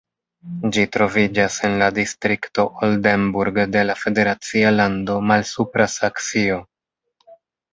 Ĝi troviĝas en la distrikto Oldenburg de la federacia lando Malsupra Saksio.